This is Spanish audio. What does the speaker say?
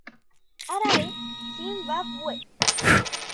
Harare, Zimbabwe".